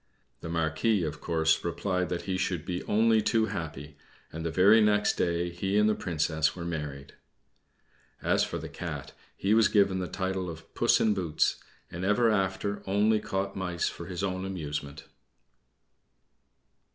The Marquis, of course, replied that he should be only too happy; and the very next day he and the Princess were married. As for the Cat, he was given the title of Puss in Boots, and ever after only caught mice for his own amusement.